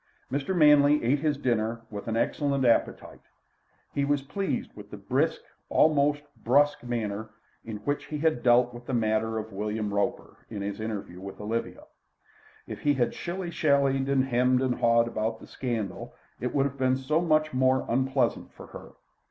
Mr. Manley ate his dinner with an excellent appetite. He was pleased with the brisk, almost brusque, manner in which he had dealt with the matter of William Roper, in his interview with Olivia. If he had shilly shallied and hummed and hawed about the scandal, it would have been so much more unpleasant for her.